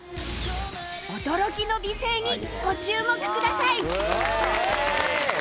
驚きの美声にご注目ください！